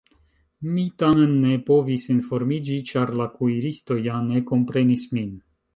Mi tamen ne povis informiĝi, ĉar la kuiristo ja ne komprenis min.